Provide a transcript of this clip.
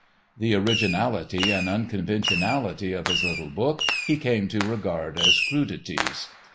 The originality and unconventionally of his little book he came to regard as crudities.